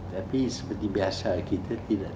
tapi seperti biasa kita tidak